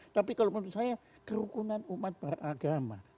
tapi kalau menurut saya kerukunan umat beragama